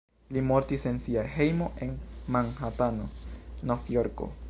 Li mortis en sia hejmo en Manhatano, Novjorko.